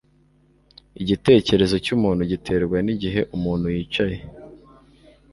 Igitekerezo cyumuntu giterwa nigihe umuntu yicaye